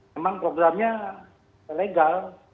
memang programnya legal